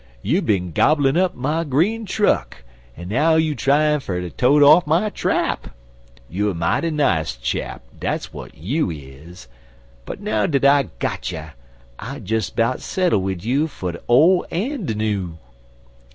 Yer you bin gobblin' up my green truck, en now you tryin' ter tote off my trap. You er mighty nice chap dat's w'at you is! But now dat I got you, I'll des 'bout settle wid you fer de ole en de new.'